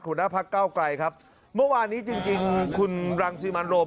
คุณภักดิ์เก้าไกรครับเมื่อวานี้จริงคุณรังซีมันโลม